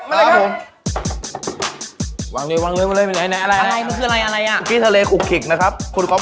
แต้ลอร์ฟตีทำนะครับ